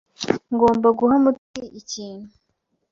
Ngomba guha Mutoni ikintu.